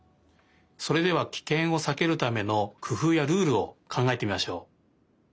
それではキケンをさけるためのくふうやルールをかんがえてみましょう。